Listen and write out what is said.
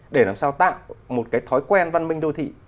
để làm sao tạo một cái thói quen văn minh đô thị